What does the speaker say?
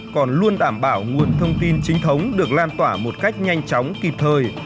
còn luôn đảm bảo nguồn thông tin chính thống được lan tỏa một cách nhanh chóng kịp thời